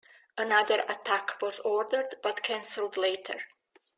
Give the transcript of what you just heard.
Another attack was ordered but cancelled later.